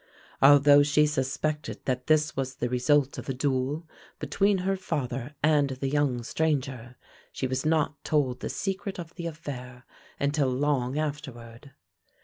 Although she suspected that this was the result of a duel between her father and the young stranger, she was not told the secret of the affair until long afterward.